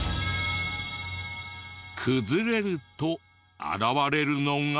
崩れると現れるのが。